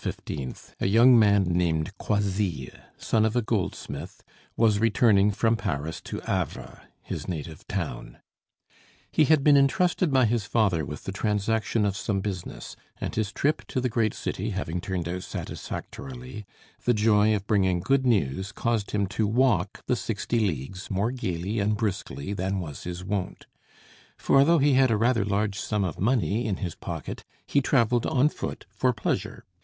a young man named Croisilles, son of a goldsmith, was returning from Paris to Havre, his native town. He had been intrusted by his father with the transaction of some business, and his trip to the great city having turned out satisfactorily, the joy of bringing good news caused him to walk the sixty leagues more gaily and briskly than was his wont; for, though he had a rather large sum of money in his pocket, he travelled on foot for pleasure.